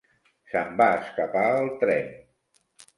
Se'm va escapar el tren.